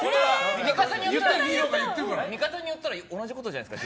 見方によっては同じことじゃないですか。